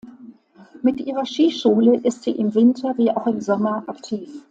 Mit ihrer Skischule ist sie im Winter wie auch im Sommer aktiv.